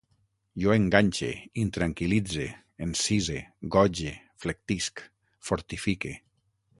Jo enganxe, intranquil·litze, encise, goge, flectisc, fortifique